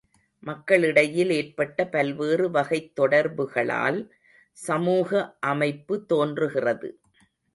மக்களிடையில் ஏற்பட்ட பல்வேறு வகைத் தொடர்புகளால் சமூக அமைப்பு தோன்றுகிறது.